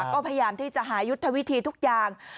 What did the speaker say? ก็พยายามที่จะหายุทธวิธีทุกอย่าง